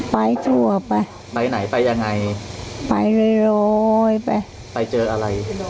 ไปทั่วไปไปไหนไปยังไงไปลอยไปไปเจออะไร